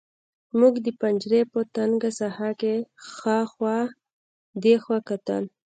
موږ د پنجرې په تنګه ساحه کې هاخوا دېخوا کتل